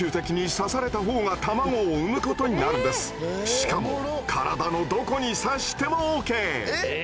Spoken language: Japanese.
しかも体のどこに刺してもＯＫ！え